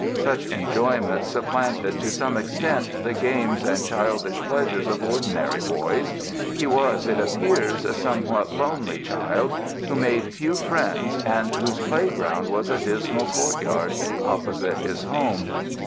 Such enjoyment supplanted to some extent the games and childish pleasures of ordinary boys. He was, it appears, a somewhat lonely child, who made few friends and whose "playground" was a dismal courtyard opposite his home.